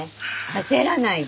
焦らないで。